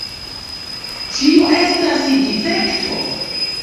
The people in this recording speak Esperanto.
Tio estas difekto.